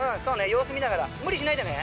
様子見ながら無理しないでね。